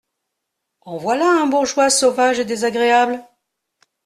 En voilà un bourgeois sauvage et désagréable !…